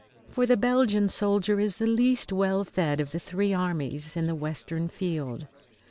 For the Belgian soldier is the least well fed of the three armies in the western field.